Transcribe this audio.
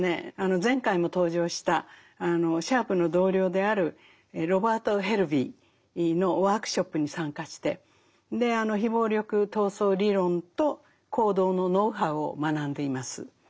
前回も登場したシャープの同僚であるロバート・ヘルヴィーのワークショップに参加して非暴力闘争理論と行動のノウハウを学んでいます。